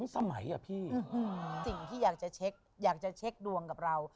สิ่งที่อยากจะเช็คดวงกับเรา